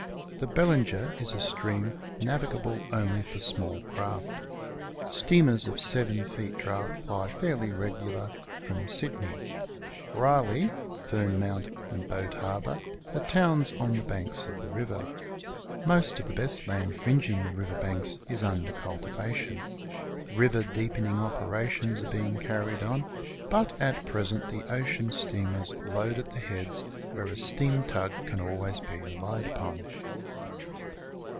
The Bellinger is a stream navigable only for small craft. Steamers of 7 feet draft ply fairly regular from Sydney. Raleigh, Fernmount, and Boat Harbour are towns on the banks of the river. Most of the best land fringing the river banks is under cultivation. River deepeniug operations are being carried on, but at present the ocean steamers load at the heads, where a steam tug can always be relied upon.